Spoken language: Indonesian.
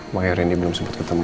makanya rendy belum sempet ketemu